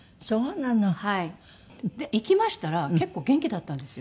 行きましたら結構元気だったんですよ。